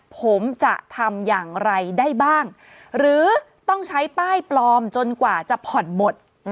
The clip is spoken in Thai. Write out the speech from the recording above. ผมจะทำอย่างไรได้บ้างหรือต้องใช้ป้ายปลอมจนกว่าจะผ่อนหมด